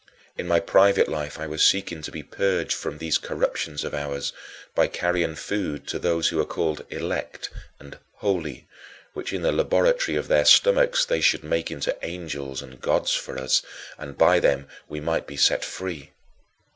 In my private life I was seeking to be purged from these corruptions of ours by carrying food to those who were called "elect" and "holy," which, in the laboratory of their stomachs, they should make into angels and gods for us, and by them we might be set free.